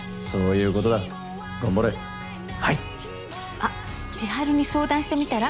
あっ千晴に相談してみたら？